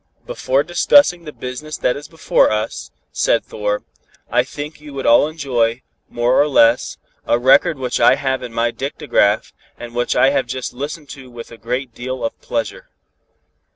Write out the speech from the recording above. "Before discussing the business that is before us," said Thor, "I think you would all enjoy, more or less, a record which I have in my dictagraph, and which I have just listened to with a great deal of pleasure."